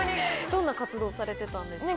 どんな活動されてたんですか？